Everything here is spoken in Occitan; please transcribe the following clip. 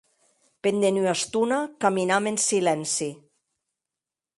Pendent ua estona caminam en silenci.